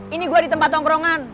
ini gue di tempat tongkrongan